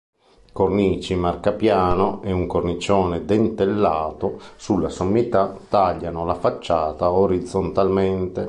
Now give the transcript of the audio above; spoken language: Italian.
Cornici marcapiano e un cornicione dentellato sulla sommità tagliano la facciata orizzontalmente.